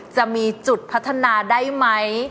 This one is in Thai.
จะมีจุดพัฒนาได้ไหม